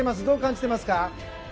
どう感じていますか？